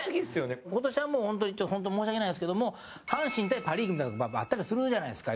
今年は、もう、本当に本当に申し訳ないんですけども阪神対パ・リーグみたいなとこもあったりするじゃないですか。